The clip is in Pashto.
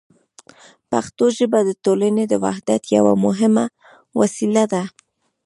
پښتو ژبه د ټولنې د وحدت یوه مهمه وسیله ده.